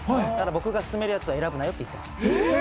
僕が進めるやつを選ぶなよって言ってます。